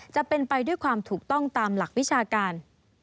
จะเป็นไปด้วยความถูกต้องตามหลักวิชาการ